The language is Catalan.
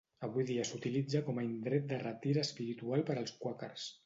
Avui dia s'utilitza com a indret de retir espiritual per als quàquers.